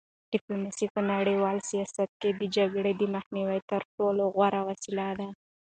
ډیپلوماسي په نړیوال سیاست کې د جګړې د مخنیوي تر ټولو غوره وسیله ده.